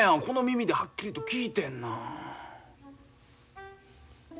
この耳ではっきりと聞いてんな。